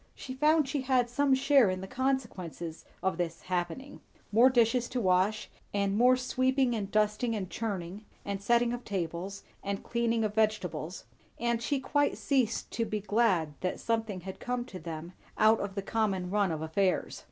She found she had some share in the consequences of this "happening"; more dishes to wash, and more sweeping and dusting, and churning, and setting of tables, and cleaning of vegetables; and she quite ceased to be glad that something had come to them out of the common run of affairs.